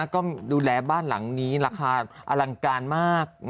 ก็ดูแลบ้านหลังนี้ราคาอลังการมาก